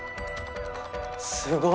すごい！